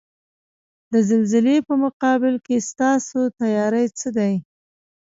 د زلزلې په مقابل کې ستاسو تیاری څه دی؟